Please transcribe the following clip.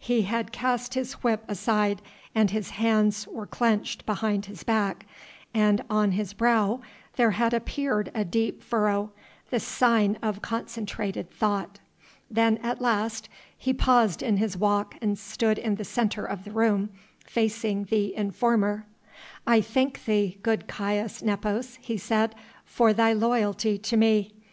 He had cast his whip aside and his hands were clenched behind his back, and on his brow there had appeared a deep furrow, the sign of concentrated thought. Then at last he paused in his walk and stood in the centre of the room facing the informer. "I thank thee, good Caius Nepos," he said, "for thy loyalty to me.